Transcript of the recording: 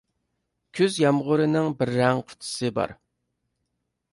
كۈز يامغۇرىنىڭ بىر رەڭ قۇتىسى بار.